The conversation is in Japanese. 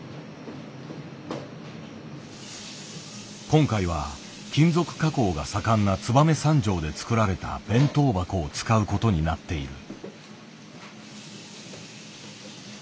今回は金属加工が盛んな燕三条で作られた弁当箱を使うことになっている。